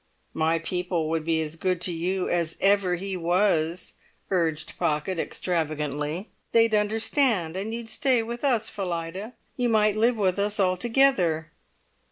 "My people would be as good to you as ever he was," urged Pocket extravagantly. "They'd understand, and you'd stay with us, Phillida! You might live with us altogether!"